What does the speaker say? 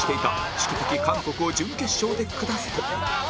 韓国を準決勝で下すと